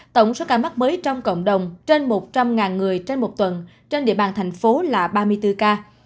tổng số ca mắc mới trong cộng đồng trên một trăm linh người trên một tuần trên địa bàn thành phố là ba mươi bốn ca